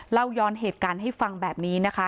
เล่าย้อนเหตุการณ์ให้ฟังแบบนี้นะคะ